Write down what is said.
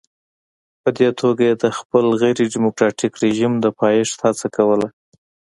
په دې توګه یې د خپل غیر ډیموکراټیک رژیم د پایښت هڅه کوله.